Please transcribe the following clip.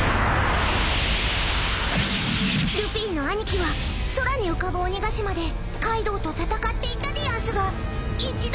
［ルフィの兄貴は空に浮かぶ鬼ヶ島でカイドウと戦っていたでやんすが一度負けてしまったでやんす］